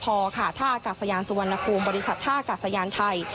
บริษัทธากัสยานสวรรณภูมิบริษัทธากัสยานไทย